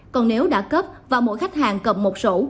còn nếu đã cấp và mỗi khách hàng cầm một sổ